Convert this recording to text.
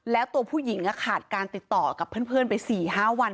แล้วตัวผู้หญิงขาดการติดต่อกับเพื่อนไป๔๕วัน